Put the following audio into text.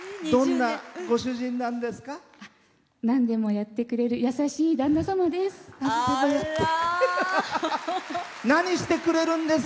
なんでもやってくれる優しい旦那様です。